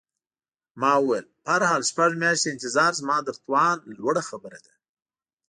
ما وویل: په هر حال، شپږ میاشتې انتظار زما تر توان لوړه خبره ده.